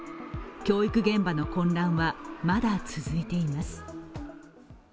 教育現場の混乱はまだ続いています。